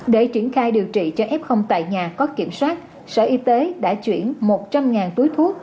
để triển khai điều trị cho f tại nhà có kiểm soát sở y tế đã chuyển một trăm linh túi thuốc